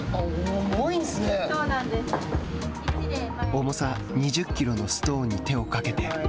重さ２０キロのストーンに手をかけて。